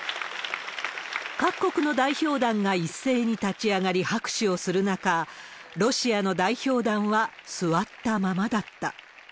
各国の代表団が一斉に立ち上がり拍手をする中、ロシアの代表団は座ったままだった。